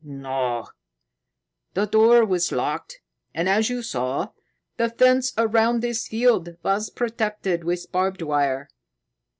"No! The door was locked, and, as you saw, the fence around this field was protected with barbed wire.